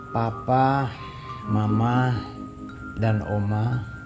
papa mama dan oma